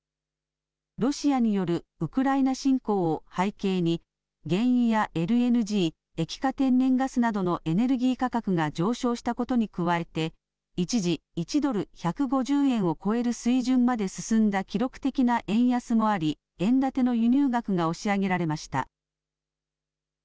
ロシアによるウクライナ侵攻を背景に原油やＬＮＧ、液化天然ガスなどのエネルギー価格が上昇したことに加えて一時、１ドル１５０円を超える水準まで進んだ記録的な円安もあり円建ての輸入額が押し上げられました。